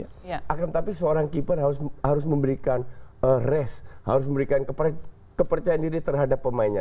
akan tetapi seorang keeper harus memberikan res harus memberikan kepercayaan diri terhadap pemainnya